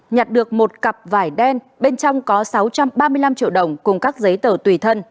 nhặt được một cặp vải đen bên trong có sáu trăm ba mươi năm triệu đồng cùng các giấy tờ tùy thân